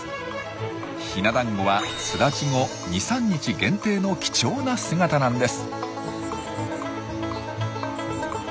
ヒナ団子は巣立ち後２３日限定の貴重な姿なんです。